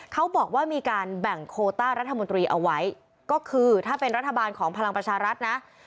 เขาบอกว่ามีการแบ่งโคต้ารัฐมนตรีเอาไว้ก็คือถ้าเป็นรัฐบาลของพลังประชารัฐนะ